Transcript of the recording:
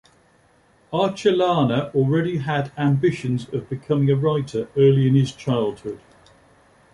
Arcellana already had ambitions of becoming a writer early in his childhood.